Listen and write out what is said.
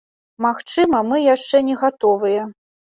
Магчыма, мы яшчэ не гатовыя.